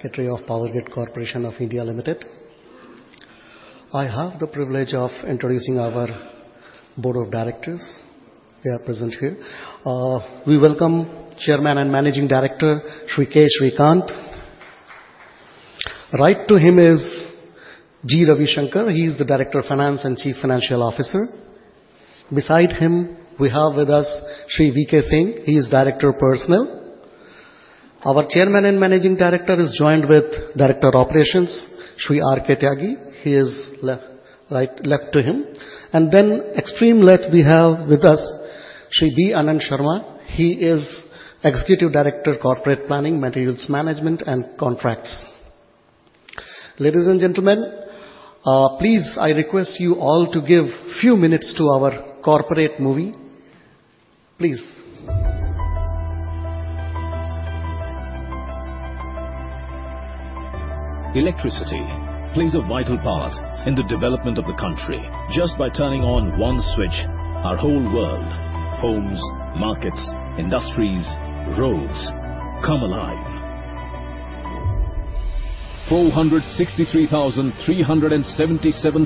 I have the privilege of introducing our board of directors. They are present here. We welcome Chairman and Managing Director, Shri K. Sreekant. Right to him is G. Ravisankar. He is the Director of Finance and Chief Financial Officer. Beside him, we have with us Shri V. K. Singh. He is Director of Personnel. Our Chairman and Managing Director is joined with Director Operations, Shri R. K. Tyagi. He is right, left to him. Extreme left we have with us Shri B. Anantha Sarma. He is Executive Director, Corporate Planning, Materials Management and Contracts. Ladies and gentlemen, please, I request you all to give few minutes to our corporate movie. Please. Electricity plays a vital part in the development of the country. Just by turning on one switch, our whole world, homes, markets, industries, roads, come alive. 463,377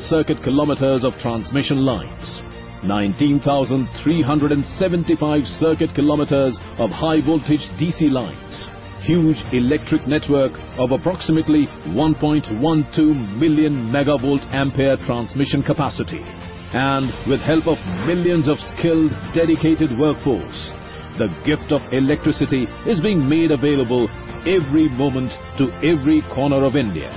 circuit kilometers of transmission lines. 19,375 circuit kilometers of high voltage DC lines. Huge electric network of approximately 1.12 million megavolt ampere transmission capacity. With help of millions of skilled, dedicated workforce, the gift of electricity is being made available every moment to every corner of India.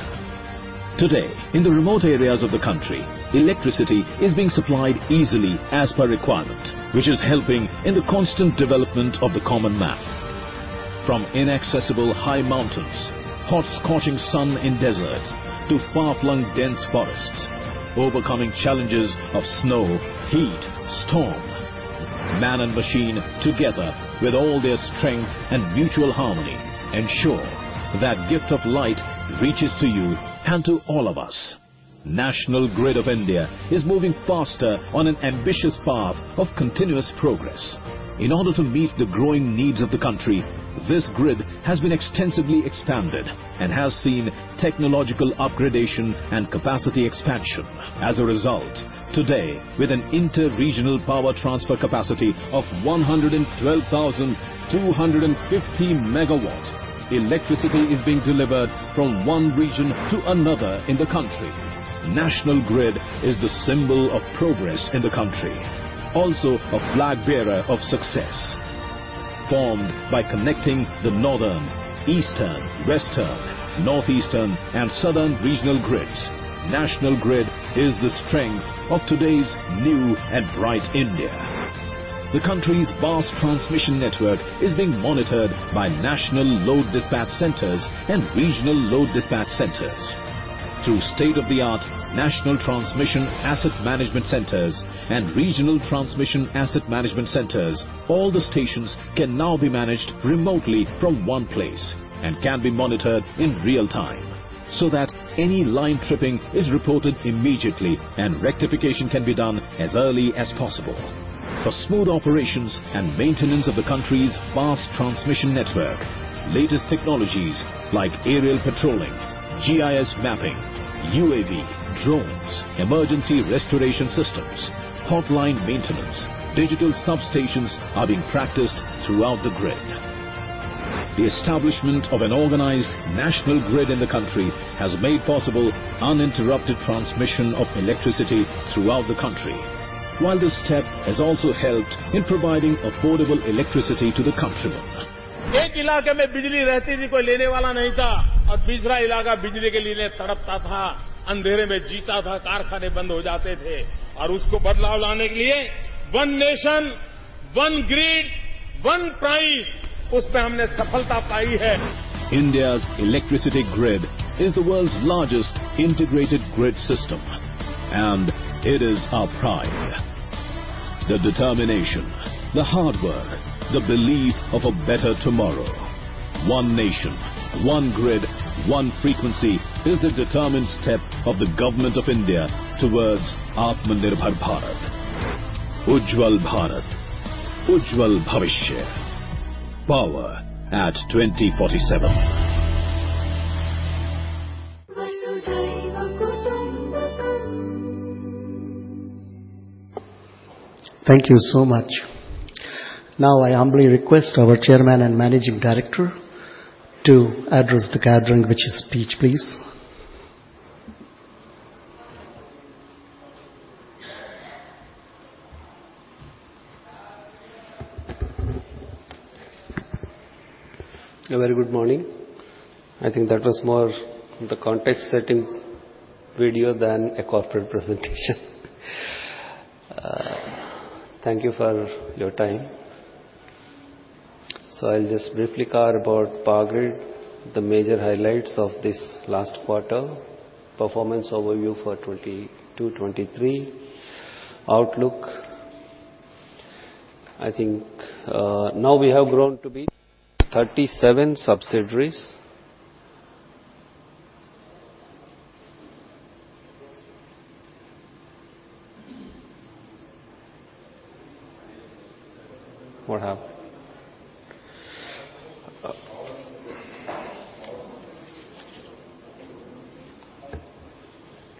Today, in the remote areas of the country, electricity is being supplied easily as per requirement, which is helping in the constant development of the common man. From inaccessible high mountains, hot scorching sun in deserts, to far-flung dense forests, overcoming challenges of snow, heat, storm, man and machine together with all their strength and mutual harmony ensure that gift of light reaches to you and to all of us. National Grid of India is moving faster on an ambitious path of continuous progress. In order to meet the growing needs of the country, this grid has been extensively expanded and has seen technological upgradation and capacity expansion. As a result, today, with an inter-regional power transfer capacity of 112,250 megawatt, electricity is being delivered from one region to another in the country. National Grid is the symbol of progress in the country, also a flag bearer of success. Formed by connecting the northern, eastern, western, northeastern, and southern regional grids, National Grid is the strength of today's new and bright India. The country's vast transmission network is being monitored by National Load Despatch Centers and Regional Load Despatch Centers. Through state-of-the-art National Transmission Asset Management Centers and Regional Transmission Asset Management Centers, all the stations can now be managed remotely from one place and can be monitored in real time, so that any line tripping is reported immediately and rectification can be done as early as possible. For smooth operations and maintenance of the country's vast transmission network, latest technologies like aerial patrolling, GIS mapping, UAV, drones, Emergency Restoration Systems, Hot Line maintenance, digital substations are being practiced throughout the grid. The establishment of an organized National Grid in the country has made possible uninterrupted transmission of electricity throughout the country, while this step has also helped in providing affordable electricity to the countrymen. One area had electricity, but there was no one to take it, and another area ached to get electricity, lived in darkness, factories would close down. To bring change to that, One Nation One Grid One Price, we have succeeded in that. India's electricity grid is the world's largest integrated grid system, and it is our pride. The determination, the hard work, the belief of a better tomorrow. One Nation One Grid One Frequency is the determined step of the Government of India towards Atmanirbhar Bharat. Ujjwal Bharat. Ujjwal Bhavishya. Power at 2047. Thank you so much. Now, I humbly request our Chairman and Managing Director to address the gathering with his speech, please. A very good morning. I think that was more the context-setting video than a corporate presentation. Thank you for your time. I'll just briefly cover about Power Grid, the major highlights of this last quarter, performance overview for 2022, 2023, outlook. I think, now we have grown to be 37 subsidiaries. What happened?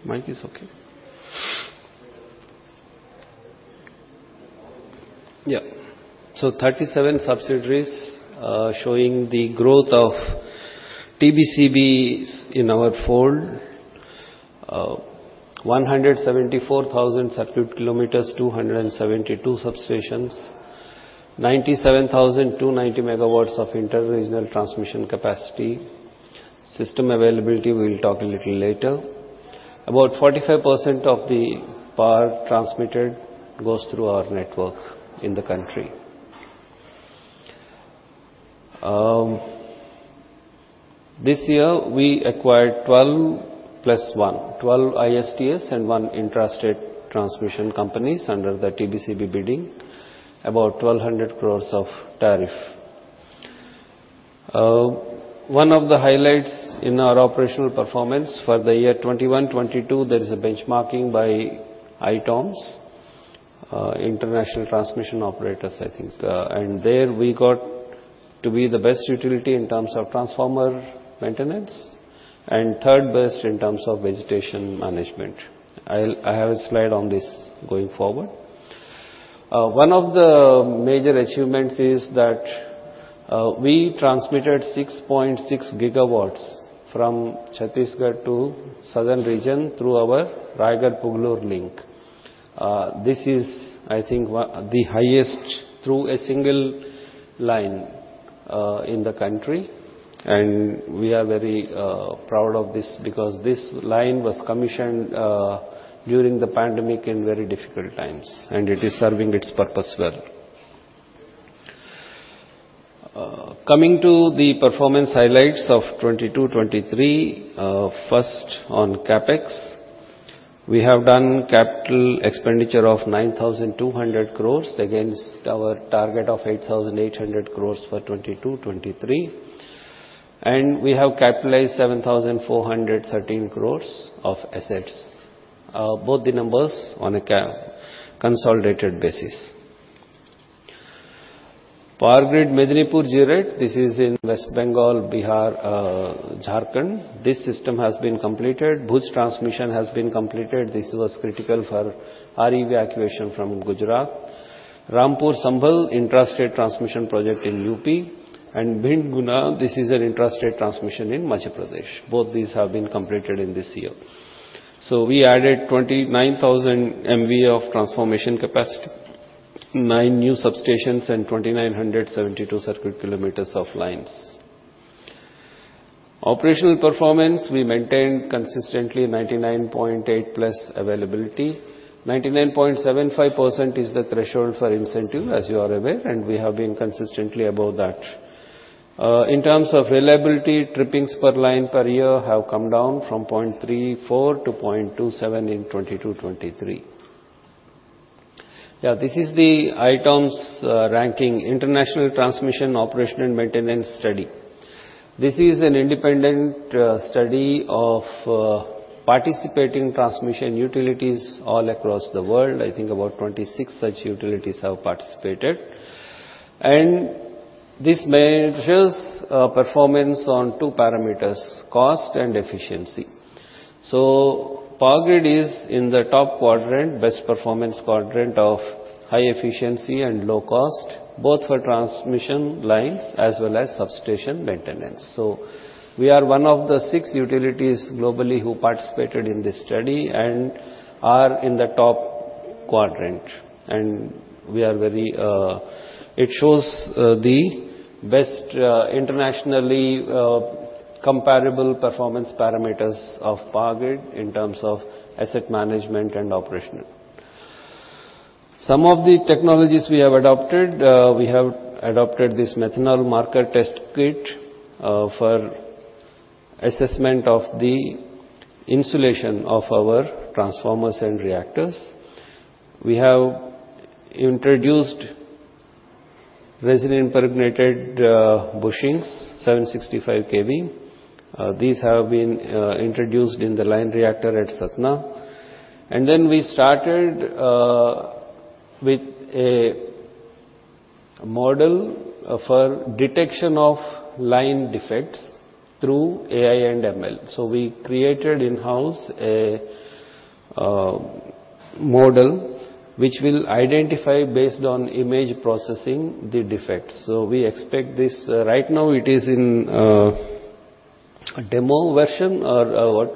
Mic is okay? Yeah. 37 subsidiaries, showing the growth of TBCBs in our fold. 174,000 circuit km, 272 substations, 97,290 MW of inter-regional transmission capacity. System availability, we'll talk a little later. About 45% of the power transmitted goes through our network in the country. This year we acquired 12 plus 1. 12 ISTS and 1 intrastate transmission companies under the TBCB bidding, about 1,200 crores of tariff. one of the highlights in our operational performance for the year 2021-2022, there is a benchmarking by ITOMS, International Transmission Operators, I think. And there we got to be the best utility in terms of transformer maintenance and third best in terms of vegetation management. I have a slide on this going forward. One of the major achievements is that, we transmitted 6.6 gigawatts from Chhattisgarh to southern region through our Raigarh-Pugalur link. This is, I think, the highest through a single line in the country. And we are very proud of this because this line was commissioned during the pandemic in very difficult times, and it is serving its purpose well. Coming to the performance highlights of 2022-2023. First, on CapEx. We have done CapEx of 9,200 crore against our target of 8,800 crore for 2022-2023. We have capitalized 7,413 crore of assets. Both the numbers on a consolidated basis. POWERGRID Medinipur-Jeerat, this is in West Bengal, Bihar, Jharkhand. This system has been completed. Bhuj transmission has been completed. This was critical for RE evacuation from Gujarat. Rampur-Sambhal intrastate transmission project in U.P. and Bhind-Guna, this is an intrastate transmission in Madhya Pradesh. Both these have been completed in this year. We added 29,000 MVA of transformation capacity, nine new substations and 2,972 circuit kilometers of lines. Operational performance, we maintained consistently 99.8%+ availability. 99.75% is the threshold for incentive, as you are aware, and we have been consistently above that. In terms of reliability, trippings per line per year have come down from 0.34 to 0.27 in 2022, 2023. Yeah. This is the ITOMS ranking, International Transmission Operation and Maintenance study. This is an independent study of participating transmission utilities all across the world. I think about 26 such utilities have participated. This measures performance on two parameters, cost and efficiency. Power Grid is in the top quadrant, best performance quadrant of high efficiency and low cost, both for transmission lines as well as substation maintenance. We are one of the 6 utilities globally who participated in this study and are in the top quadrant. We are very. It shows the best internationally comparable performance parameters of Power Grid in terms of asset management and operational. Some of the technologies we have adopted, we have adopted this methanol marker test kit for assessment of the insulation of our transformers and reactors. We have introduced resin impregnated bushings, 765 kV. These have been introduced in the line reactor at Satna. We started with a model for detection of line defects through AI and ML. We created in-house a model which will identify based on image processing the defects. We expect this, right now it is in a demo version or,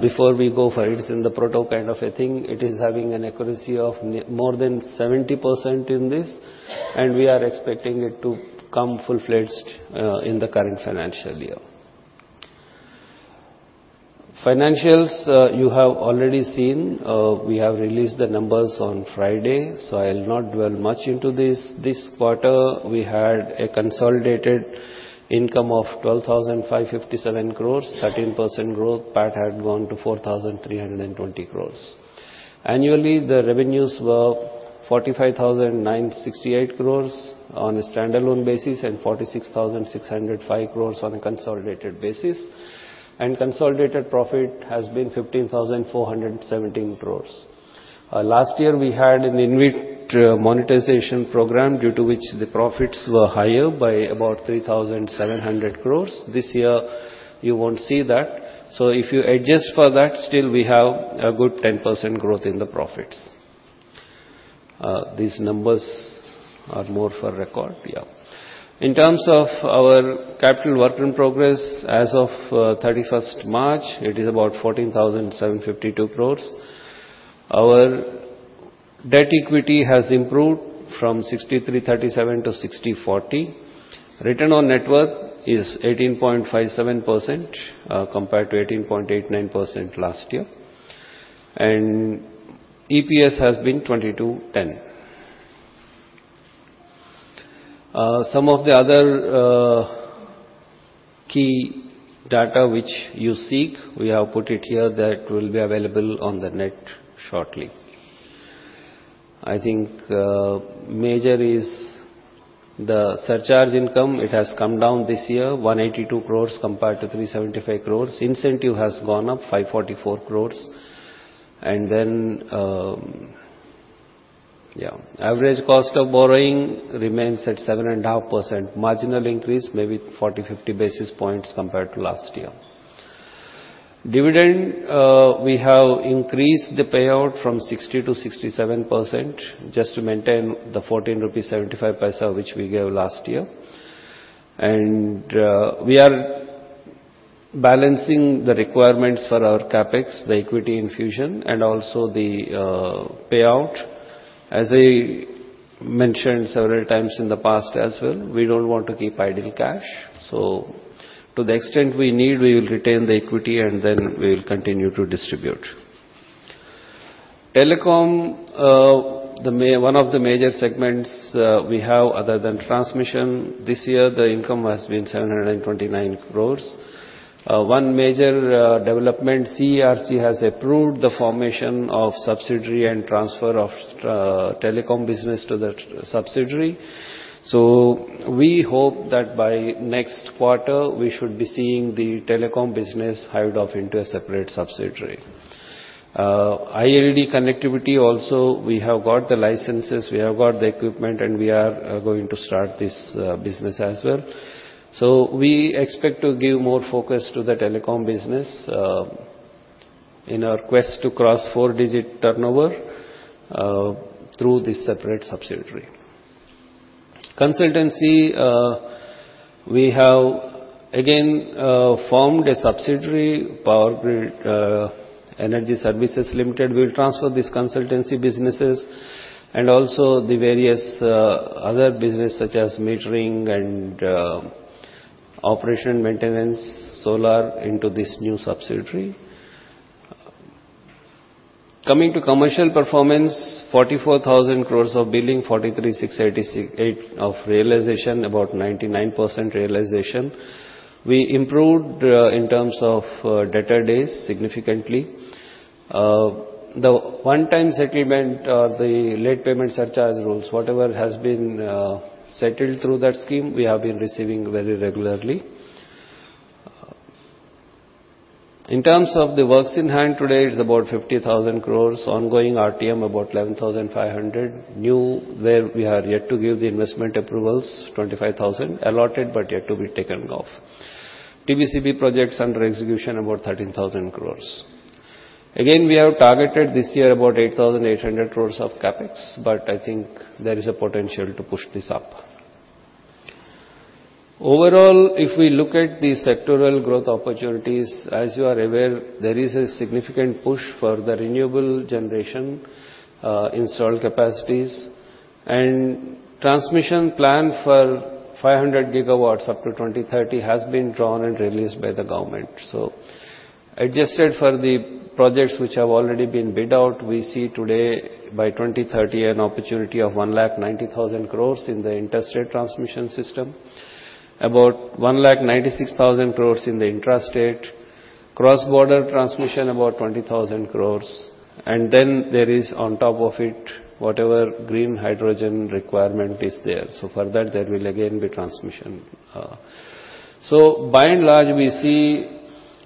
before we go for it's in the prototype kind of a thing. It is having an accuracy of more than 70% in this, and we are expecting it to come full-fledged in the current financial year. Financials, you have already seen. We have released the numbers on Friday, so I'll not dwell much into this. This quarter we had a consolidated income of 12,557 crores, 13% growth. PAT had gone to 4,320 crores. Annually, the revenues were 45,968 crores on a standalone basis and 46,605 crores on a consolidated basis, and consolidated profit has been 15,417 crores. Last year we had an InvIT monetization program, due to which the profits were higher by about 3,700 crores. This year you won't see that. If you adjust for that, still we have a good 10% growth in the profits. These numbers are more for record. Yeah. In terms of our capital work in progress, as of 31st March, it is about 14,752 crore. Our debt equity has improved from 63:37 to 60:40. Return on net worth is 18.57% compared to 18.89% last year, and EPS has been 22.10. Some of the other key data which you seek, we have put it here. That will be available on the net shortly. I think, major is the surcharge income. It has come down this year, 182 crore compared to 375 crore. Incentive has gone up 544 crore. Average cost of borrowing remains at 7.5%. Marginal increase, maybe 40-50 basis points compared to last year. Dividend, we have increased the payout from 60%-67% just to maintain the INR 14.75 which we gave last year. We are balancing the requirements for our CapEx, the equity infusion, and also the payout. As I mentioned several times in the past as well, we don't want to keep idle cash. To the extent we need, we will retain the equity, and then we will continue to distribute. Telecom, one of the major segments we have other than transmission. This year the income has been 729 crores. One major development, CERC has approved the formation of subsidiary and transfer of telecom business to that subsidiary. We hope that by next quarter we should be seeing the telecom business hived off into a separate subsidiary. IL&F connectivity also, we have got the licenses, we have got the equipment, and we are going to start this business as well. We expect to give more focus to the telecom business in our quest to cross four-digit turnover through this separate subsidiary. Consultancy, we have again formed a subsidiary, POWERGRID Energy Services Limited. We'll transfer these consultancy businesses and also the various other business such as metering and operation maintenance, solar into this new subsidiary. Coming to commercial performance, 44,000 crores of billing, 43,688 of realization, about 99% realization. We improved in terms of debtor days significantly. The one-time settlement, the Electricity (Late Payment Surcharge and Related Matters) Rules, 2022, whatever has been settled through that scheme, we have been receiving very regularly. In terms of the works in hand today, it's about 50,000 crores. Ongoing RTM, about 11,500. New, where we are yet to give the investment approvals, 25,000 allotted, but yet to be taken off. TBCB projects under execution, about 13,000 crores. Again, we have targeted this year about 8,800 crores of CapEx, but I think there is a potential to push this up. Overall, if we look at the sectoral growth opportunities, as you are aware, there is a significant push for the renewable generation, installed capacities. Transmission plan for 500 gigawatts up to 2030 has been drawn and released by the government. Adjusted for the projects which have already been bid out, we see today by 2030 an opportunity of 1,90,000 crores in the interstate transmission system. About 1,96,000 crores in the intrastate. Cross-border transmission, about 20,000 crores. There is on top of it, whatever green hydrogen requirement is there. For that, there will again be transmission. By and large, we see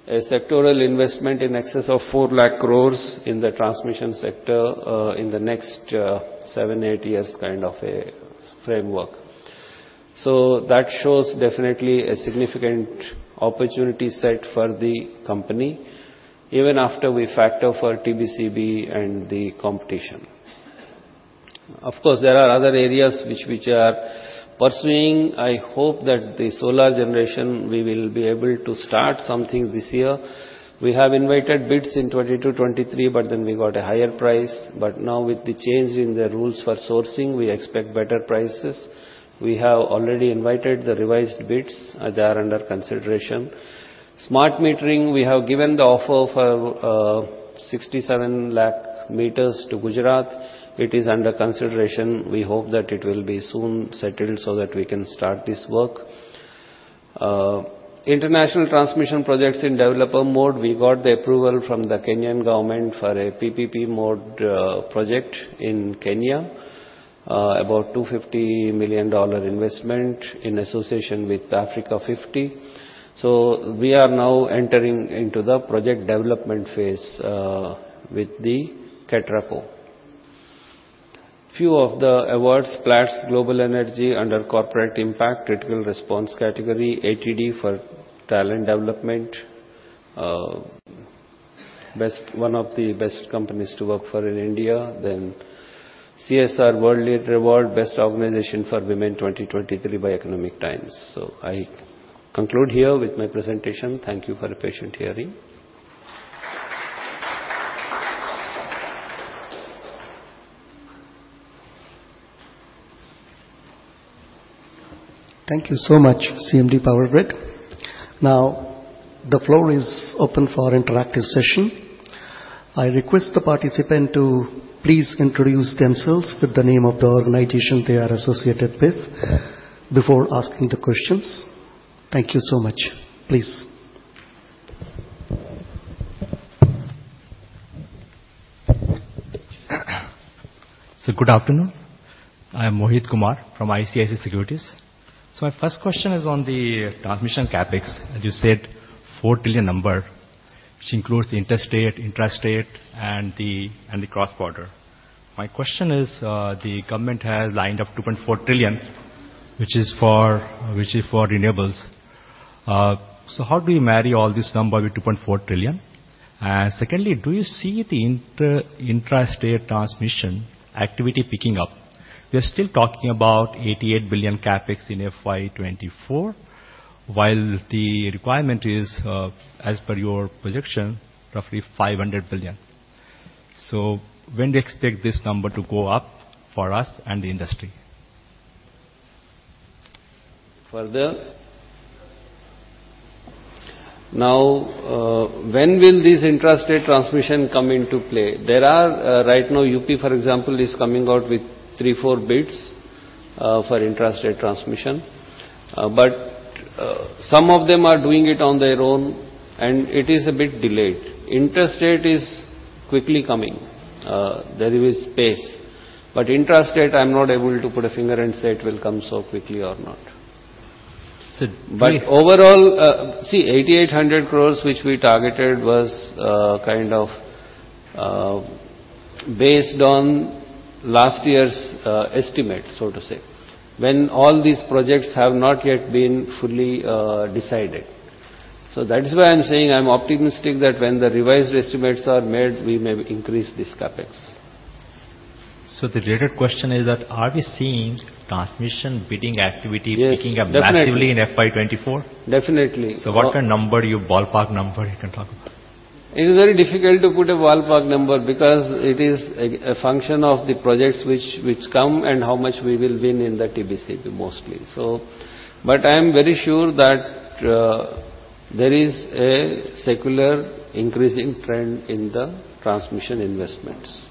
a sectoral investment in excess of 4,00,000 crores in the transmission sector, in the next 7, 8 years kind of a framework. That shows definitely a significant opportunity set for the company even after we factor for TBCB and the competition. Of course, there are other areas which are pursuing. I hope that the solar generation, we will be able to start something this year. We have invited bids in 2020 to 2023, but then we got a higher price. Now with the change in the rules for sourcing, we expect better prices. We have already invited the revised bids. They are under consideration. Smart metering, we have given the offer of 67 lakh meters to Gujarat. It is under consideration. We hope that it will be soon settled so that we can start this work. International transmission projects in developer mode, we got the approval from the Kenyan government for a PPP mode project in Kenya, about $250 million investment in association with Africa50. We are now entering into the project development phase with the KETRACO. Few of the awards, Platts Global Energy Awards under corporate impact, critical response category, ATD for talent development, one of the best companies to work for in India, then CSR World Leader Award, best organization for women 2023 by Economic Times. I conclude here with my presentation. Thank you for your patient hearing. Thank you so much, CMD POWERGRID. The floor is open for interactive session. I request the participant to please introduce themselves with the name of the organization they are associated with before asking the questions. Thank you so much. Please. Good afternoon. I am Mohit Kumar from ICICI Securities. My first question is on the transmission CapEx. As you said, 4 trillion, which includes the interstate, intrastate, and the cross-border. My question is, the government has lined up 2.4 trillion, which is for renewables. How do you marry all this number with 2.4 trillion? Secondly, do you see the intrastate transmission activity picking up? We are still talking about 88 billion CapEx in FY 2024, while the requirement is, as per your projection, roughly 500 billion. When do you expect this number to go up for us and the industry? Further. When will this intrastate transmission come into play? There are, right now, UP, for example, is coming out with 3, 4 bids for intrastate transmission. Some of them are doing it on their own, and it is a bit delayed. Interstate is quickly coming. There is pace. Intrastate, I'm not able to put a finger and say it will come so quickly or not. So- Overall, see, 8,800 crores, which we targeted was, kind of, based on last year's estimate, so to say. When all these projects have not yet been fully decided. That is why I'm saying I'm optimistic that when the revised estimates are made, we may increase this CapEx. The related question is that are we seeing transmission bidding activity? Yes, definitely. picking up massively in FY 2024? Definitely. What kind of number, your ballpark number you can talk about? It is very difficult to put a ballpark number because it is a function of the projects which come and how much we will win in the TBCB mostly. I am very sure that there is a secular increasing trend in the transmission investments.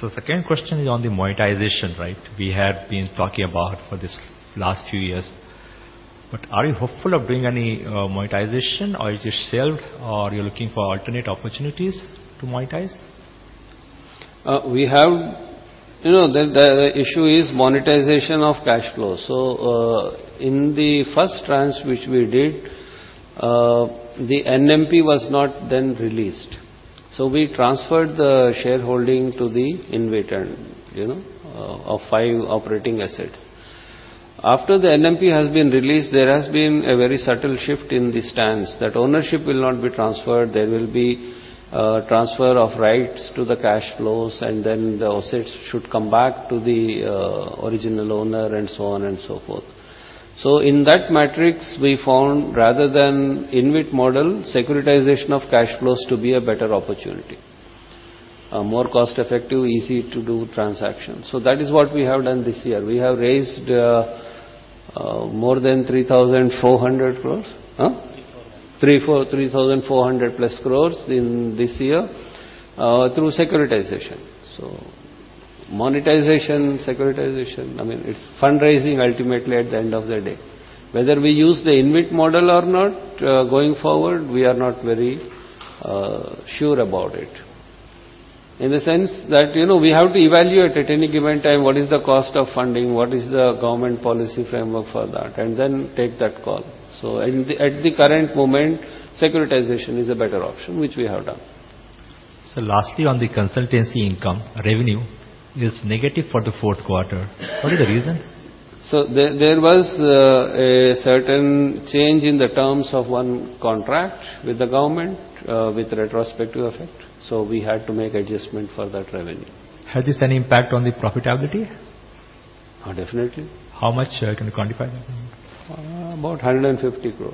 Second question is on the monetization, right? We have been talking about for this last few years. Are you hopeful of doing any monetization or is it shelved or you're looking for alternate opportunities to monetize? We have, you know, the issue is monetization of cash flow. In the first trans which we did, the NMP was not then released. We transferred the shareholding to the InvIT, you know, of 5 operating assets. After the NMP has been released, there has been a very subtle shift in the stance that ownership will not be transferred. There will be transfer of rights to the cash flows, and then the assets should come back to the original owner and so on and so forth. In that matrix, we found rather than InvIT model, securitization of cash flows to be a better opportunity. More cost-effective, easy to do transaction. That is what we have done this year. We have raised more than 3,400 crores. Huh? Three four. 3,400 plus crores in this year through securitization. Monetization, securitization, I mean, it's fundraising ultimately at the end of the day. Whether we use the InvIT model or not, going forward, we are not very sure about it. In the sense that, you know, we have to evaluate at any given time what is the cost of funding, what is the government policy framework for that, and then take that call. At the current moment, securitization is a better option, which we have done. Sir, lastly, on the consultancy income, revenue is negative for the fourth quarter. What is the reason? There was a certain change in the terms of one contract with the government, with retrospective effect, so we had to make adjustment for that revenue. Has this any impact on the profitability? Oh, definitely. How much can you quantify that? about 150 crore.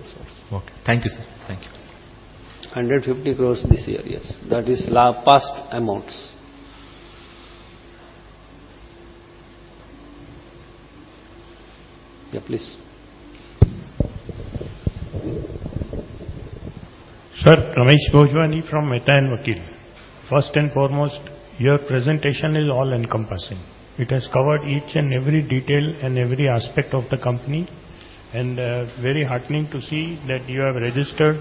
Okay. Thank you, sir. Thank you. 150 crores this year, yes. That is past amounts. Yeah, please. Sir, Ramesh Bhojwani from Mehta & Makir. First and foremost, your presentation is all-encompassing. It has covered each and every detail and every aspect of the company. Very heartening to see that you have registered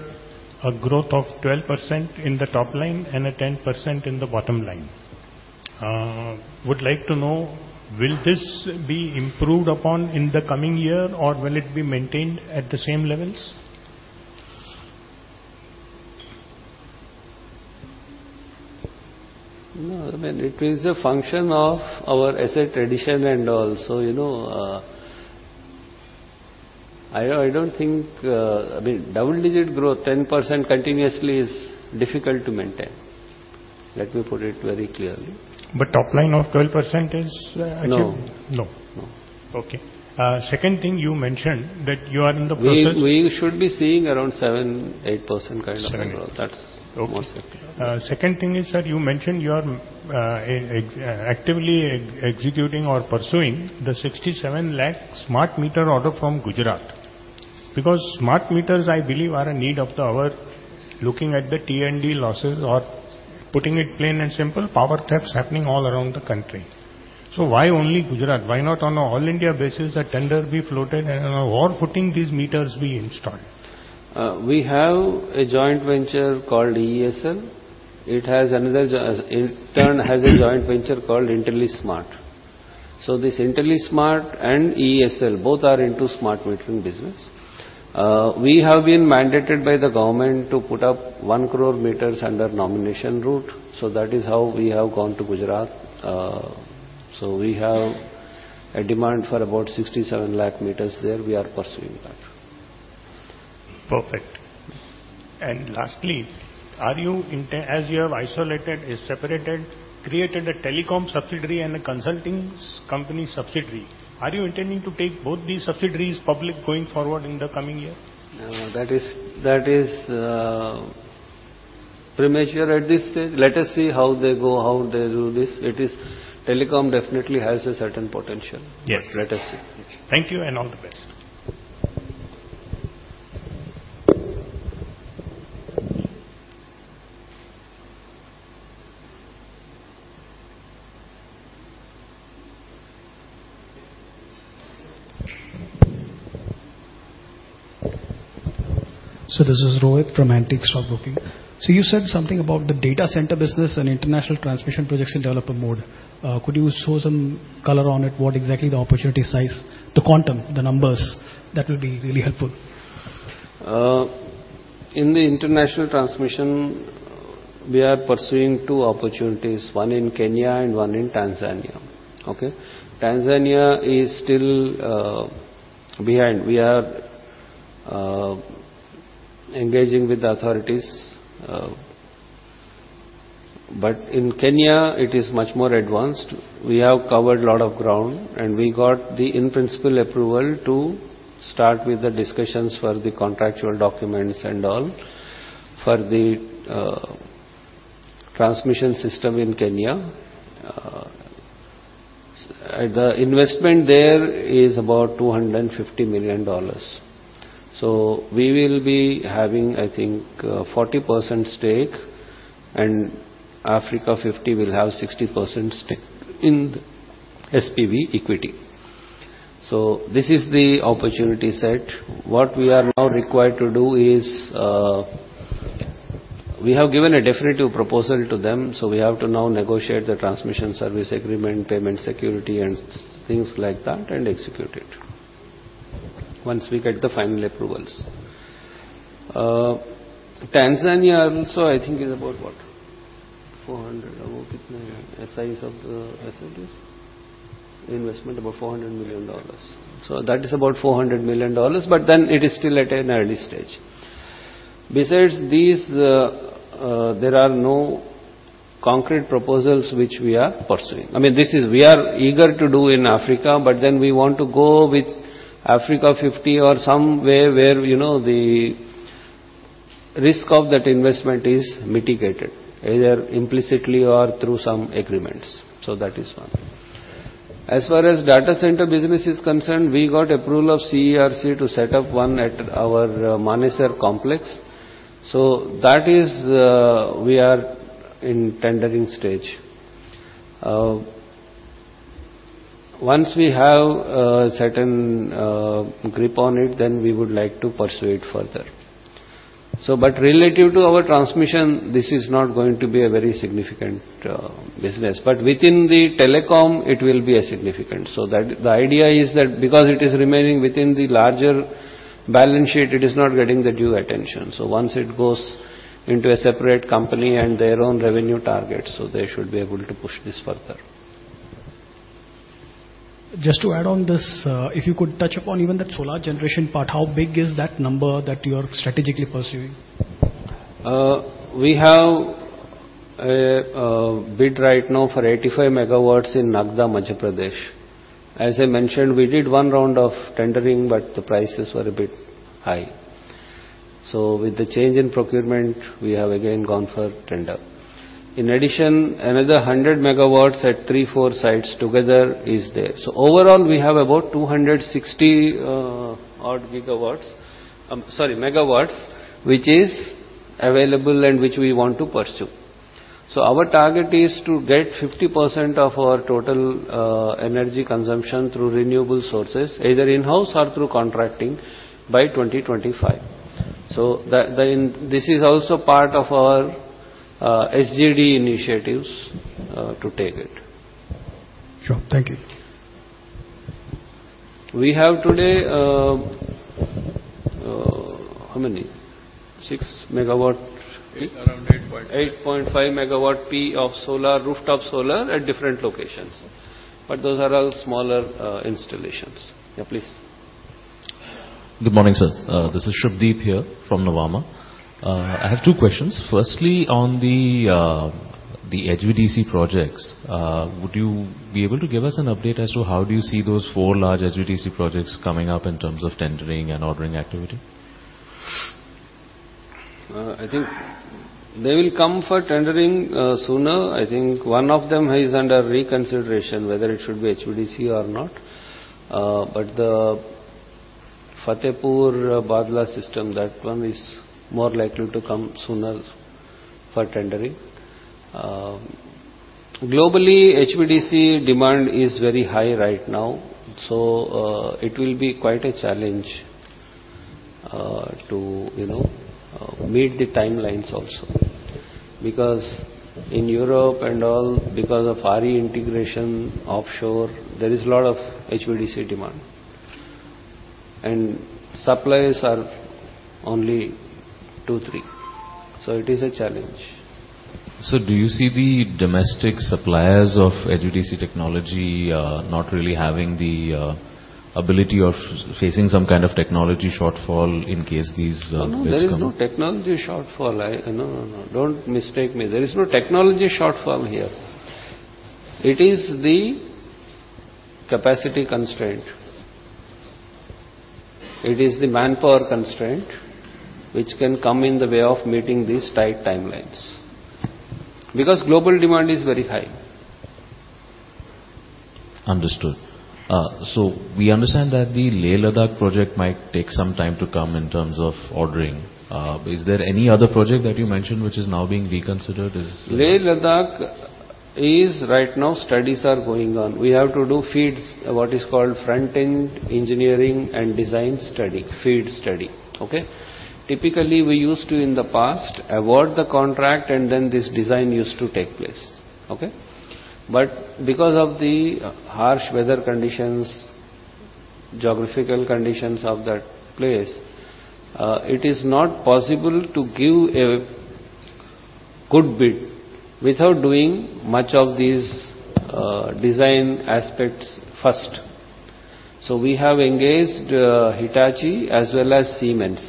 a growth of 12% in the top line and a 10% in the bottom line. Would like to know, will this be improved upon in the coming year, or will it be maintained at the same levels? No, I mean, it is a function of our asset addition and all. You know, I don't think, I mean, double-digit growth, 10% continuously is difficult to maintain. Let me put it very clearly. Top line of 12% is achievable? No. No. No. Okay. second thing you mentioned that you are in the We should be seeing around 7%-8% kind of a growth. Seven, eight. That's more certain. Okay. second thing is, sir, you mentioned you are actively executing or pursuing the 67 lakh smart meter order from Gujarat. Because smart meters, I believe, are a need of the hour, looking at the T&D losses or, putting it plain and simple, power thefts happening all around the country. Why only Gujarat? Why not on a all India basis a tender be floated and on a war footing these meters be installed? We have a joint venture called EESL. It in turn has a joint venture called IntelliSmart. This IntelliSmart and EESL both are into smart metering business. We have been mandated by the government to put up 1 crore meters under nomination route, so that is how we have gone to Gujarat. We have a demand for about 67 lakh meters there. We are pursuing that. Perfect. Lastly, As you have isolated, separated, created a telecom subsidiary and a consulting subsidiary, are you intending to take both these subsidiaries public going forward in the coming year? That is premature at this stage. Let us see how they go, how they do this. Telecom definitely has a certain potential. Yes. Let us see. Thank you, and all the best. This is Rohit from Antique Stock Broking. You said something about the data center business and international transmission projects in developer mode. Could you throw some color on it? What exactly the opportunity size, the quantum, the numbers? That would be really helpful. In the international transmission, we are pursuing two opportunities, one in Kenya and one in Tanzania. Okay? Tanzania is still behind. We are engaging with the authorities, but in Kenya it is much more advanced. We have covered a lot of ground, and we got the in-principle approval to start with the discussions for the contractual documents and all for the transmission system in Kenya. The investment there is about $250 million. We will be having, I think, 40% stake, and Africa50 will have 60% stake in SPV equity. This is the opportunity set. What we are now required to do is, we have given a definitive proposal to them, so we have to now negotiate the transmission service agreement, payment security, and things like that, and execute it once we get the final approvals. Tanzania also I think is about what? $400 About size of the assets. Investment about $400 million. That is about $400 million, but then it is still at an early stage. Besides these, there are no concrete proposals which we are pursuing. I mean, this is. We are eager to do in Africa, but then we want to go with Africa50 or some way where, you know, the risk of that investment is mitigated, either implicitly or through some agreements. That is one. As far as data center business is concerned, we got approval of CRC to set up one at our Manesar complex. That is, we are in tendering stage. Once we have a certain grip on it, then we would like to pursue it further. Relative to our transmission, this is not going to be a very significant business. Within the telecom it will be a significant. That the idea is that because it is remaining within the larger balance sheet, it is not getting the due attention. Once it goes into a separate company and their own revenue targets, so they should be able to push this further. To add on this, if you could touch upon even that solar generation part, how big is that number that you are strategically pursuing? We have a bid right now for 85 megawatts in Nagda, Madhya Pradesh. As I mentioned, we did 1 round of tendering, but the prices were a bit high. With the change in procurement, we have again gone for tender. In addition, another 100 megawatts at 3, 4 sites together is there. Overall, we have about 260 odd megawatts, which is available and which we want to pursue. Our target is to get 50% of our total energy consumption through renewable sources, either in-house or through contracting by 2025. This is also part of our SDG initiatives to take it. Sure. Thank you. We have today, how many? 6 megawatt It's around 8.5. 8.5 MW P of solar, rooftop solar at different locations. Those are all smaller installations. Yeah, please. Good morning, sir. This is Shivdeep here from Nuvama. I have 2 questions. Firstly, on the HVDC projects, would you be able to give us an update as to how do you see those 4 large HVDC projects coming up in terms of tendering and ordering activity? I think they will come for tendering sooner. I think one of them is under reconsideration, whether it should be HVDC or not. The Fatehpur-Bhadla system, that one is more likely to come sooner for tendering. Globally, HVDC demand is very high right now, so it will be quite a challenge to, you know, meet the timelines also. Because in Europe and all, because of RE integration offshore, there is a lot of HVDC demand. Suppliers are only two, three. It is a challenge. Do you see the domestic suppliers of HVDC technology, not really having the ability of facing some kind of technology shortfall in case these bids come? No, there is no technology shortfall. No, no. Don't mistake me. There is no technology shortfall here. It is the capacity constraint. It is the manpower constraint which can come in the way of meeting these tight timelines, because global demand is very high. Understood. We understand that the Leh-Ladakh project might take some time to come in terms of ordering. Is there any other project that you mentioned which is now being reconsidered? Leh-Ladakh is right now, studies are going on. We have to do FEEDs, what is called front-end engineering and design study, FEED study. Okay? Typically, we used to, in the past, award the contract and then this design used to take place. Okay? Because of the harsh weather conditions, geographical conditions of that place, it is not possible to give a good bid without doing much of these design aspects first. We have engaged Hitachi as well as Siemens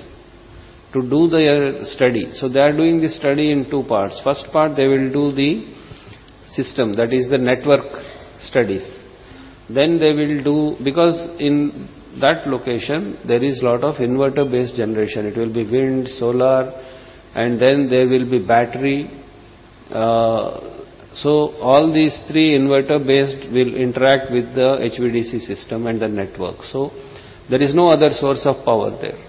to do their study. They are doing the study in two parts. First part, they will do the system, that is the network studies. They will do... Because in that location there is lot of inverter-based generation. It will be wind, solar, and then there will be battery. All these three inverter-based will interact with the HVDC system and the network. There is no other source of power there.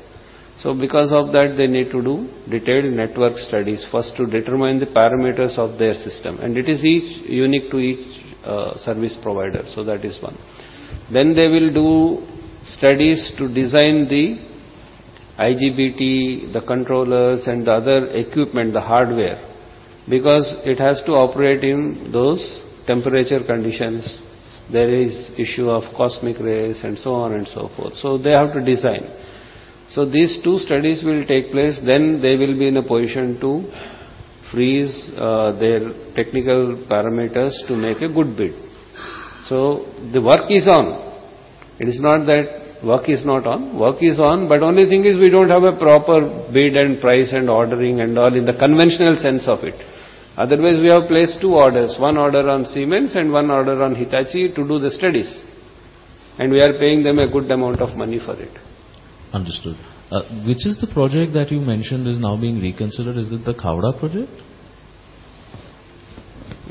Because of that, they need to do detailed network studies first to determine the parameters of their system. It is each, unique to each, service provider. That is one. They will do studies to design the IGBT, the controllers, and the other equipment, the hardware, because it has to operate in those temperature conditions. There is issue of cosmic rays and so on and so forth. They have to design. These two studies will take place, then they will be in a position to freeze their technical parameters to make a good bid. The work is on. It is not that work is not on. Work is on, but only thing is we don't have a proper bid and price and ordering and all in the conventional sense of it. Otherwise, we have placed 2 orders, one order on Siemens and one order on Hitachi to do the studies, and we are paying them a good amount of money for it. Understood. Which is the project that you mentioned is now being reconsidered? Is it the Khavda project?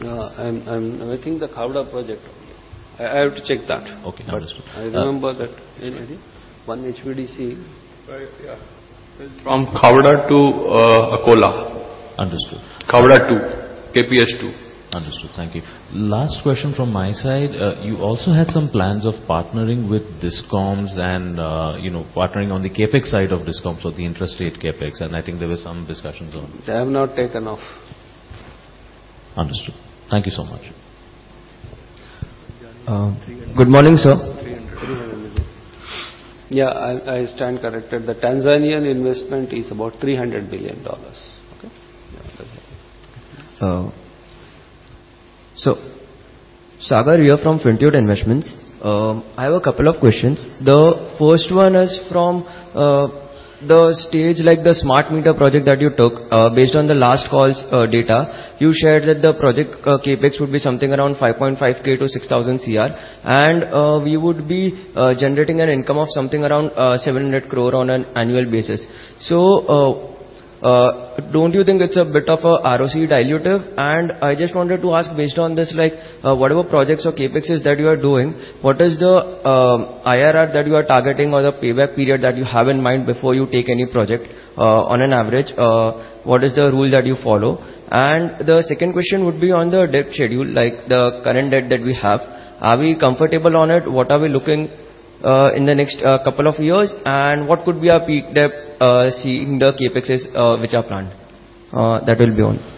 I think the Khavda project. I have to check that. Okay. Understood. I remember that there was one HVDC- Right. Yeah. From Khavda to Akola. Understood. Khavda 2, KPS2. Understood. Thank you. Last question from my side. You also had some plans of partnering with DISCOMs and, you know, partnering on the CapEx side of DISCOMs or the intrastate CapEx, and I think there were some discussions. They have not taken off. Understood. Thank you so much. Good morning, sir. INR 300. INR 300 million. Yeah, I stand corrected. The Tanzanian investment is about $300 billion. Okay? Yeah. Sagar, we are from Fintuit Investments. I have a couple of questions. The first one is from the stage like the smart meter project that you took. Based on the last call's data, you shared that the project CapEx would be something around 5,500 crore to 6,000 crore and we would be generating an income of something around 700 crore on an annual basis. Don't you think it's a bit of a ROC dilutive? And I just wanted to ask based on this, like, whatever projects or CapExes that you are doing, what is the IRR that you are targeting or the payback period that you have in mind before you take any project on an average? What is the rule that you follow? The second question would be on the debt schedule, like the current debt that we have. Are we comfortable on it? What are we looking in the next couple of years? What could be our peak debt, seeing the CapExes, which are planned? That will be all.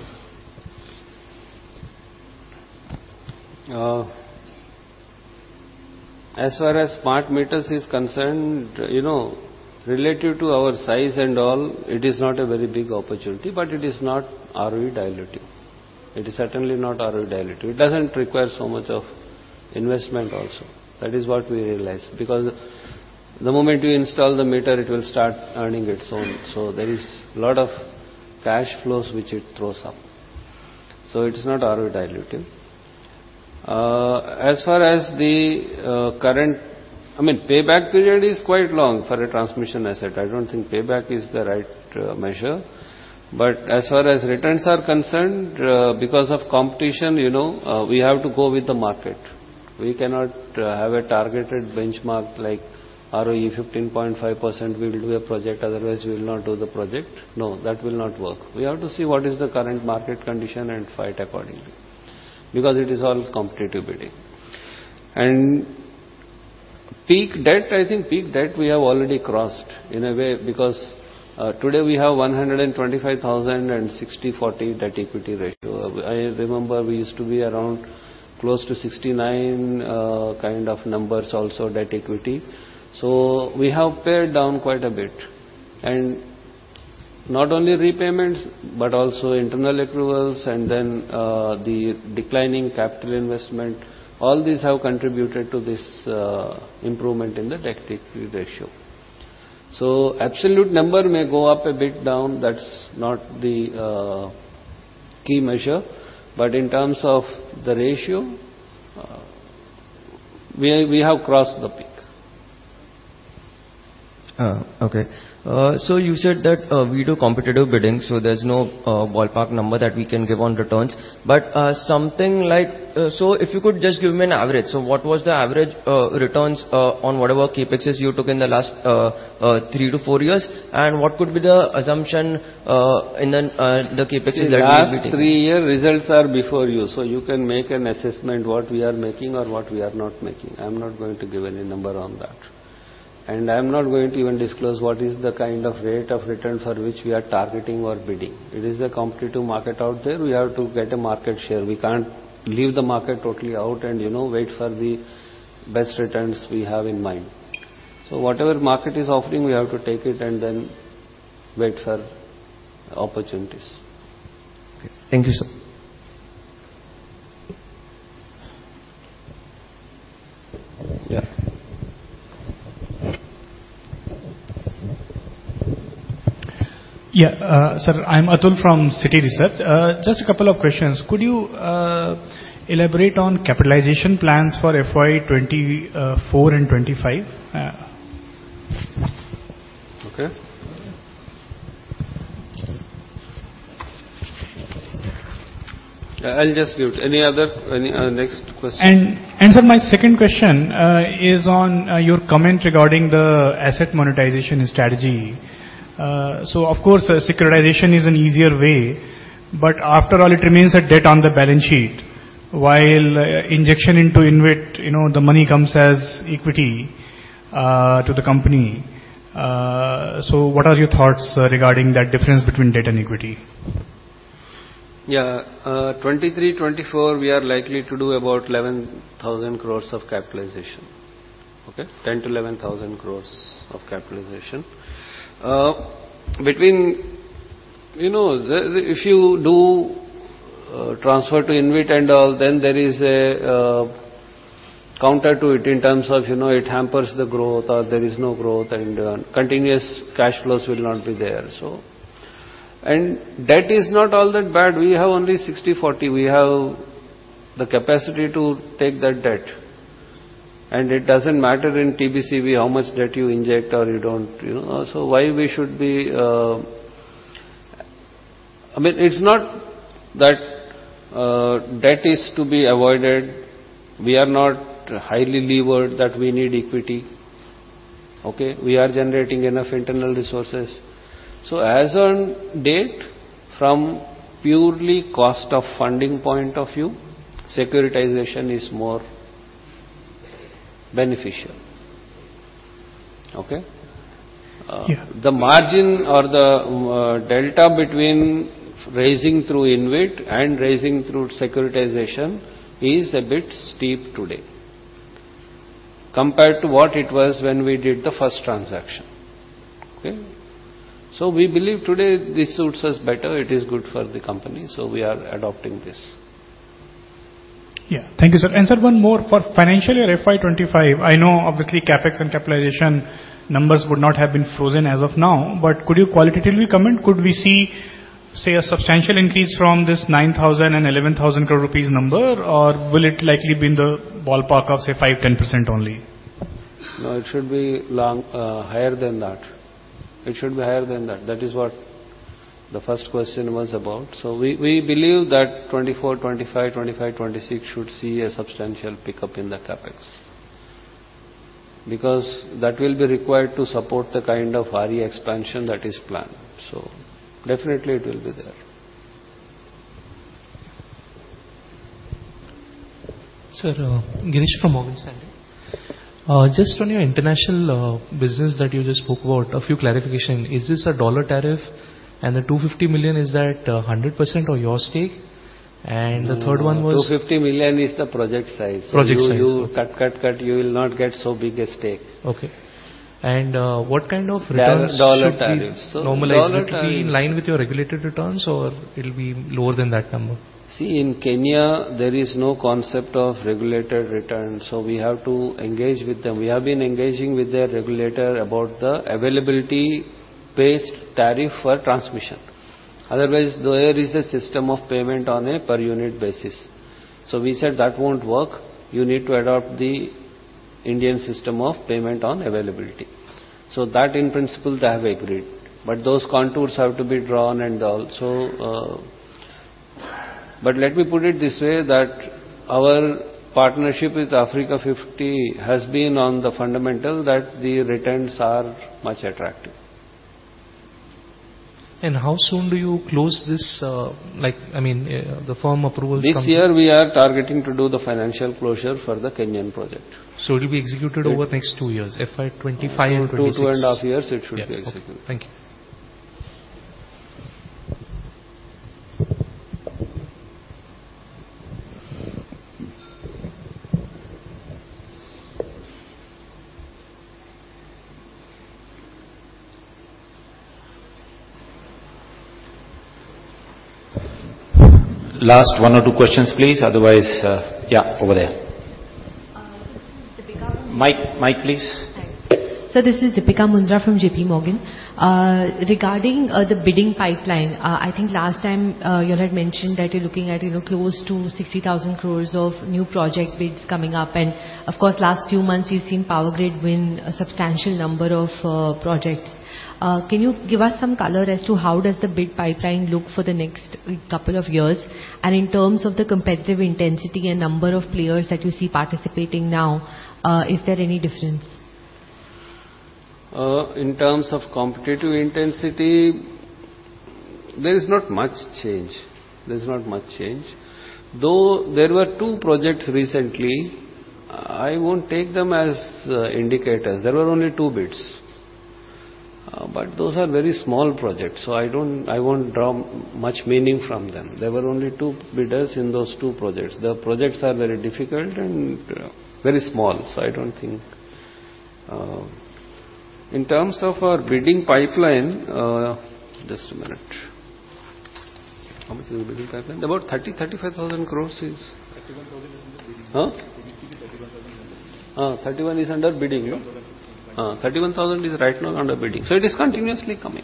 As far as smart meters is concerned, you know, relative to our size and all, it is not a very big opportunity, but it is not ROE dilutive. It is certainly not ROE dilutive. It doesn't require so much of investment also. That is what we realized because the moment you install the meter, it will start earning its own. There is a lot of cash flows which it throws up. It's not ROE dilutive. As far as the, current... I mean, payback period is quite long for a transmission asset. I don't think payback is the right measure. But as far as returns are concerned, you know, we have to go with the market. We cannot have a targeted benchmark like ROE 15.5% we will do a project, otherwise we will not do the project. No, that will not work. We have to see what is the current market condition and fight accordingly because it is all competitive bidding. Peak debt, I think peak debt we have already crossed in a way because today we have 125,000 and 60:40 debt equity ratio. I remember we used to be around close to 69 kind of numbers also debt equity. So we have pared down quite a bit. Not only repayments, but also internal accruals and then the declining capital investment, all these have contributed to this improvement in the debt equity ratio. So absolute number may go up a bit down, that's not the key measure. In terms of the ratio, we have crossed the peak. Okay. You said that we do competitive bidding, so there's no ballpark number that we can give on returns. Something like, so if you could just give me an average. What was the average returns on whatever CapExes you took in the last three to four years? What could be the assumption in the CapExes that we will be taking? The last three year results are before you, so you can make an assessment what we are making or what we are not making. I'm not going to give any number on that. I'm not going to even disclose what is the kind of rate of return for which we are targeting or bidding. It is a competitive market out there. We have to get a market share. We can't leave the market totally out and, you know, wait for the best returns we have in mind. Whatever market is offering, we have to take it and then wait for opportunities. Okay. Thank you, sir. Yeah. Yeah. Sir, I'm Atul from Citi Research. Just a couple of questions. Could you elaborate on capitalization plans for FY 2024 and 2025? Okay. I'll just give. Any other, any next question. Sir, my second question is on your comment regarding the asset monetization strategy. Of course, securitization is an easier way, but after all, it remains a debt on the balance sheet. While injection into InvIT, you know, the money comes as equity to the company. What are your thoughts regarding that difference between debt and equity? Yeah. 2023, 2024, we are likely to do about 11,000 crore of capitalization. Okay? 10,000 crore-11,000 crore of capitalization. Between, you know, if you do transfer to InvIT and all, then there is a counter to it in terms of, you know, it hampers the growth or there is no growth and continuous cash flows will not be there. Debt is not all that bad. We have only 60/40. We have the capacity to take that debt. It doesn't matter in TBCB how much debt you inject or you don't, you know. Why we should be, I mean, it's not that debt is to be avoided. We are not highly levered that we need equityOkay. We are generating enough internal resources. As on date, from purely cost of funding point of view, securitization is more beneficial. Okay? Yeah. The margin or the delta between raising through InvIT and raising through securitization is a bit steep today compared to what it was when we did the first transaction. Okay? We believe today this suits us better. It is good for the company. We are adopting this. Yeah. Thank you, sir. Sir, one more. For financial year FY 2025, I know obviously CapEx and capitalization numbers would not have been frozen as of now. Could you qualitatively comment? Could we see, say, a substantial increase from this 9,000 crore and 11,000 crore rupees number, or will it likely be in the ballpark of, say, 5%-10% only? It should be long, higher than that. It should be higher than that. That is what the first question was about. We believe that 2024, 2025, 2026 should see a substantial pickup in the CapEx, because that will be required to support the kind of RE expansion that is planned. Definitely it will be there. Sir, Ginesh from Morgan Stanley. Just on your international business that you just spoke about, a few clarification. Is this a dollar tariff? The $250 million, is that a 100% of your stake? The third one was- $250 million is the project size. Project size. You cut, you will not get so big a stake. Okay. what kind of returns? Dollar tariff. Dollar tariff. Normalized. Is it in line with your regulated returns or it'll be lower than that number? In Kenya, there is no concept of regulated returns, so we have to engage with them. We have been engaging with their regulator about the availability-based tariff for transmission. Otherwise, there is a system of payment on a per unit basis. We said that won't work. You need to adopt the Indian system of payment on availability. That, in principle, they have agreed, but those contours have to be drawn and also. Let me put it this way, that our partnership with Africa50 has been on the fundamental that the returns are much attractive. How soon do you close this, like, I mean, the firm approvals from? This year we are targeting to do the financial closure for the Kenyan project. It will be executed over next two years, FY 2025 and 2026. Two, two and a half years it should be executed. Yeah. Okay. Thank you. Last one or two questions, please. Otherwise, Yeah, over there. Deepika. Mic. Mic, please. Thanks. Sir, this is Deepika Mundra from JP Morgan. Regarding the bidding pipeline, I think last time you had mentioned that you're looking at, you know, close to 60,000 crores of new project bids coming up. Of course, last few months you've seen Power Grid win a substantial number of projects. Can you give us some color as to how does the bid pipeline look for the next couple of years? In terms of the competitive intensity and number of players that you see participating now, is there any difference? In terms of competitive intensity, there is not much change. There's not much change. Though there were two projects recently, I won't take them as indicators. There were only two bids. Those are very small projects, so I don't, I won't draw much meaning from them. There were only two bidders in those two projects. The projects are very difficult and very small, so I don't think. In terms of our bidding pipeline, Just a minute. How much is the bidding pipeline? About 3,000-3,500 crores. INR 31 thousand is under bidding. Huh? ABC is 31,000 under bidding. 31 is under bidding, no? 31,000 is right now under bidding. 31,000 is right now under bidding. It is continuously coming.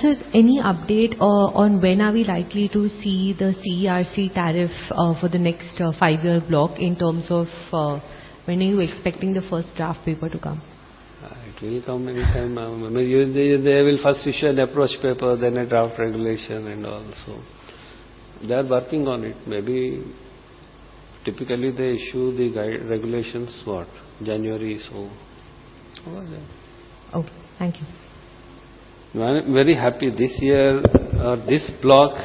Sir, any update on when are we likely to see the CERC tariff for the next five-year block in terms of when are you expecting the first draft paper to come? It will come anytime now. I mean, they will first issue an approach paper, then a draft regulation and all. They are working on it. Typically, they issue the regulations what? January, so around there. Okay. Thank you. I'm very happy this year, this block,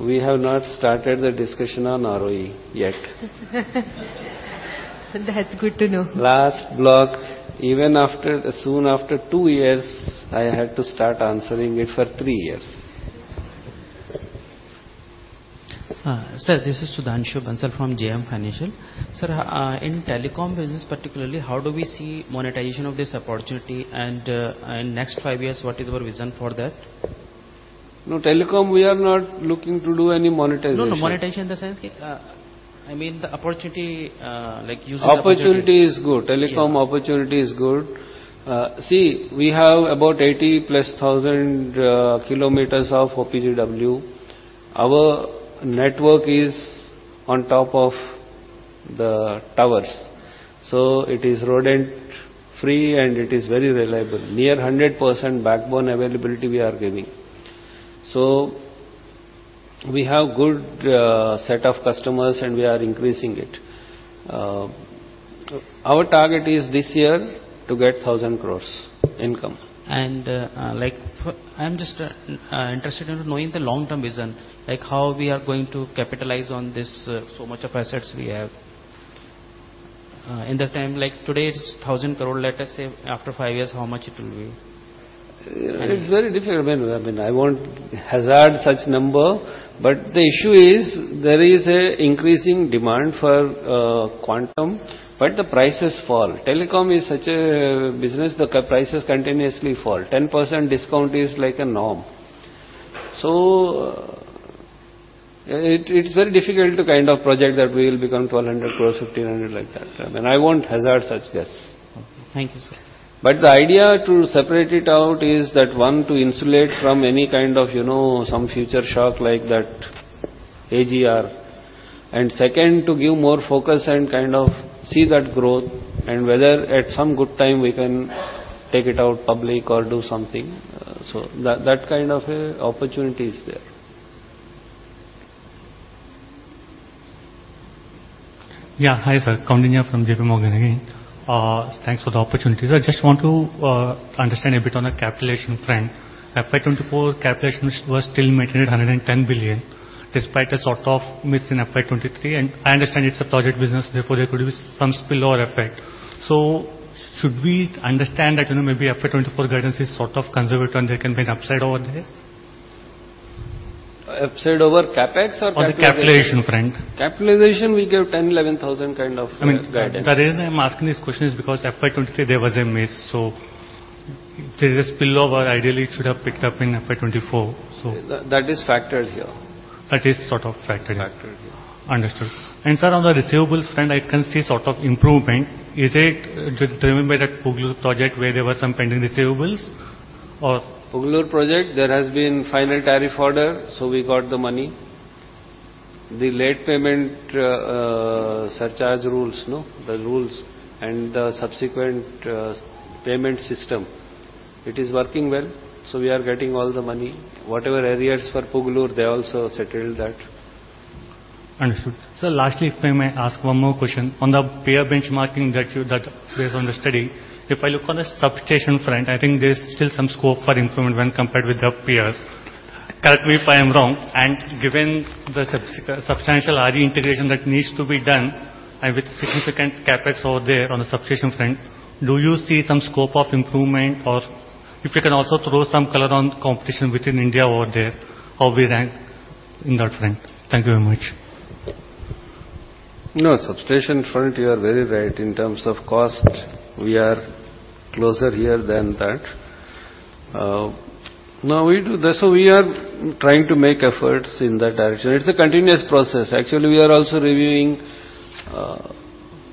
we have not started the discussion on ROE yet. That's good to know. Last block, even after, soon after two years, I had to start answering it for three years. Sir, this is Sudhanshu Bansal from JM Financial. Sir, in telecom business particularly, how do we see monetization of this opportunity and next five years, what is your vision for that? No, telecom, we are not looking to do any monetization. No, no, monetization in the sense, I mean the opportunity, like using opportunity- Opportunity is good. Yeah. Telecom opportunity is good. See, we have about 80-plus thousand kilometers of OPGW. Our network is on top of the towers, so it is rodent-free and it is very reliable. Near 100% backbone availability we are giving. We have good set of customers, and we are increasing it. Our target is this year to get 1,000 crores income. Like, I'm just interested in knowing the long-term vision, like how we are going to capitalize on this so much of assets we have. In the time, like today it's 1,000 crore, let us say after five years, how much it will be? It's very difficult. I mean, I won't hazard such number. The issue is there is a increasing demand for quantum, but the prices fall. Telecom is such a business, the prices continuously fall. 10% discount is like a norm. It's very difficult to kind of project that we will become 1,200 crores, 1,500 like that. I mean, I won't hazard such guess. Okay. Thank you, sir. The idea to separate it out is that, one, to insulate from any kind of, you know, some future shock like that AGR. Second, to give more focus and kind of see that growth and whether at some good time we can take it out public or do something. That, that kind of a opportunity is there. Yeah. Hi, sir. Kauninya from JP Morgan again. Thanks for the opportunity. I just want to understand a bit on the capitalization front. FY 2024 capitalization was still maintained at 110 billion, despite a sort of miss in FY 2023. I understand it's a project business, therefore there could be some spillover effect. Should we understand that, you know, maybe FY 2024 guidance is sort of conservative and there can be an upside over there? Upside over CapEx or capitalization? On the capitalization front. Capitalization, we gave 10,000-11,000 kind of guidance. I mean, the reason I'm asking this question is because FY 2023 there was a miss. If there's a spillover, ideally it should have picked up in FY 2024. That is factored here. That is sort of factored in. Factored, yeah. Understood. Sir, on the receivables front, I can see sort of improvement. Is it determined by that Pugalur project where there were some pending receivables or? Pugalur project, there has been final tariff order, so we got the money. The late payment surcharge rules, no? The rules and the subsequent payment system, it is working well, so we are getting all the money. Whatever arrears for Pugalur, they also settled that. Understood. Sir, lastly, if I may ask one more question. On the peer benchmarking that based on the study, if I look on the substation front, I think there's still some scope for improvement when compared with the peers. Correct me if I am wrong. Given the substantial RE integration that needs to be done and with significant CapEx over there on the substation front, do you see some scope of improvement? If you can also throw some color on competition within India over there, how we rank in that front? Thank you very much. No. Substation front, you are very right. In terms of cost, we are closer here than that. Now we are trying to make efforts in that direction. It's a continuous process. Actually, we are also reviewing,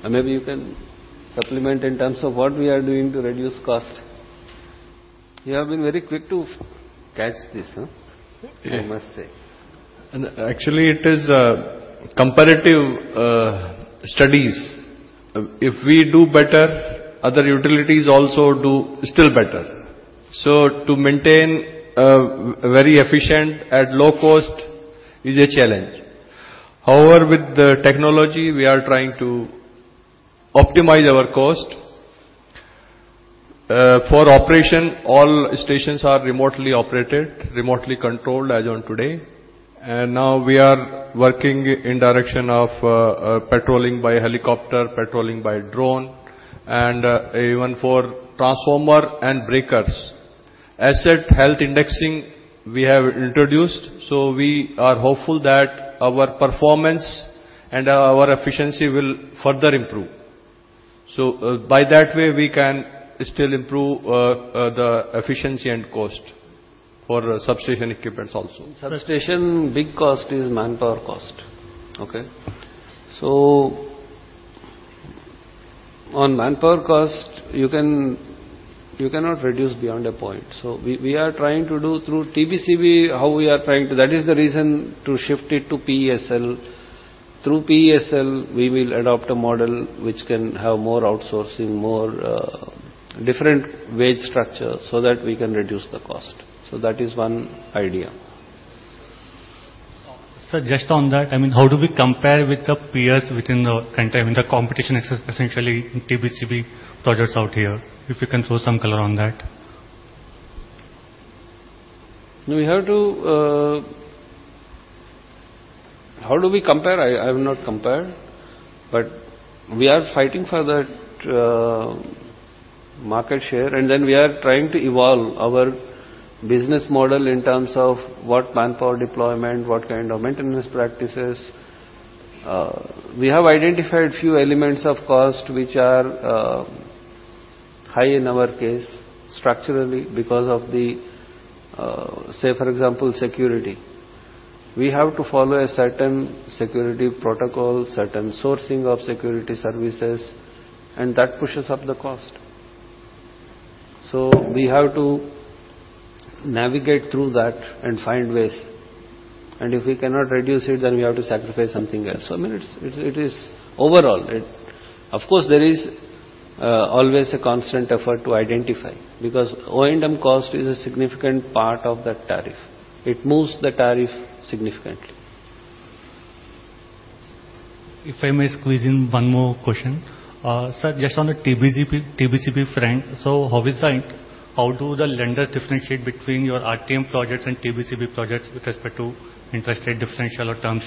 Maybe you can supplement in terms of what we are doing to reduce cost. You have been very quick to catch this, huh? Yeah. I must say. Actually it is comparative studies. If we do better, other utilities also do still better. To maintain very efficient at low cost is a challenge. However, with the technology, we are trying to optimize our cost. For operation, all stations are remotely operated, remotely controlled as on today. Now we are working in direction of patrolling by helicopter, patrolling by drone, and even for transformer and breakers. Asset Health indexing we have introduced, so we are hopeful that our performance and our efficiency will further improve. By that way, we can still improve the efficiency and cost for substation equipments also. In substation, big cost is manpower cost. Okay? On manpower cost, you cannot reduce beyond a point. We are trying to do through TBCB. That is the reason to shift it to PESL. Through PESL, we will adopt a model which can have more outsourcing, more different wage structure so that we can reduce the cost. That is one idea. Sir, just on that, I mean, how do we compare with the peers within the country? I mean, the competition is essentially TBCB projects out here. If you can throw some color on that. We have to... How do we compare? I have not compared, but we are fighting for that market share, we are trying to evolve our business model in terms of what manpower deployment, what kind of maintenance practices. We have identified few elements of cost which are high in our case structurally because of the say for example, security. We have to follow a certain security protocol, certain sourcing of security services, that pushes up the cost. We have to navigate through that and find ways. If we cannot reduce it, then we have to sacrifice something else. I mean, it's, it is overall. Of course, there is always a constant effort to identify because O&M cost is a significant part of that tariff. It moves the tariff significantly. If I may squeeze in one more question. sir, just on the TBCP front. How do the lenders differentiate between your RTM projects and TBCP projects with respect to interest rate differential or terms?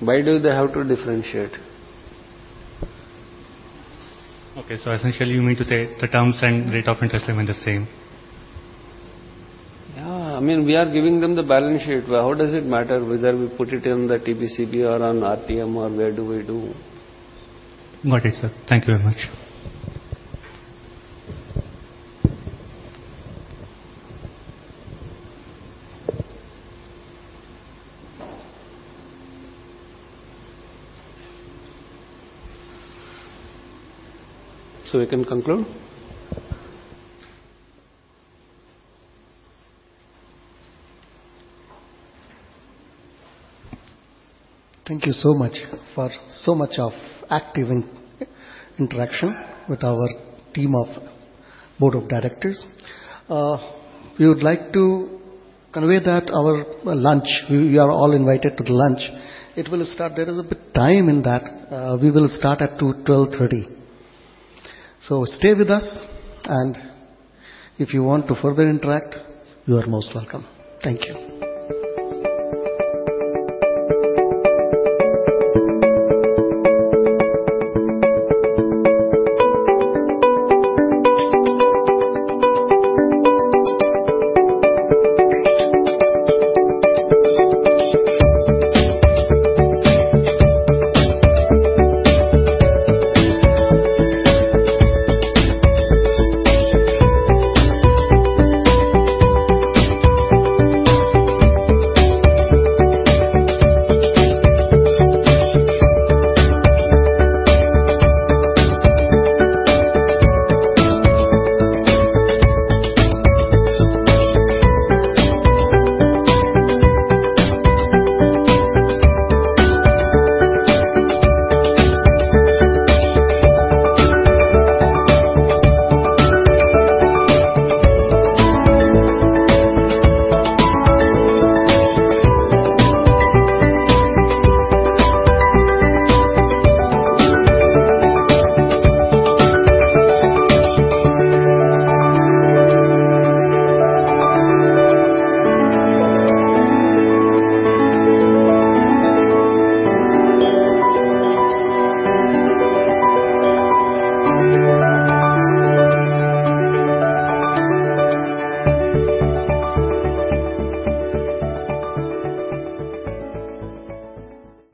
Why do they have to differentiate? Essentially you mean to say the terms and rate of interest remain the same? Yeah. I mean, we are giving them the balance sheet. How does it matter whether we put it in the TBCB or on RTM or where do we do? Got it, sir. Thank you very much. We can conclude. Thank you so much for so much of active in-interaction with our team of board of directors. We would like to convey that our lunch. We are all invited to the lunch. There is a bit time in that. We will start at 12:30 P.M. Stay with us, and if you want to further interact, you are most welcome. Thank you.